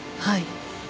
はい。